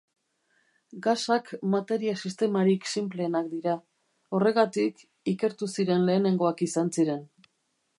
Gasak materia-sistemarik sinpleenak dira, horregatik, ikertu ziren lehenengoak izan ziren.